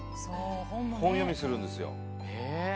本読みするんですよ